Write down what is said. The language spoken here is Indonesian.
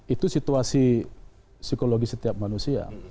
itu situasi psikologi setiap manusia